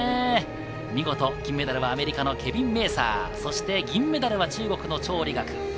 見事、金メダルはアメリカのケビン・メーサー、銀メダルは中国のチョウ・リガク。